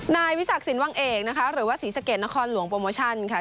นายวิศักดิ์สินวังเอกนะคะหรือว่าศรีสะเกดนครหลวงโปรโมชั่นค่ะ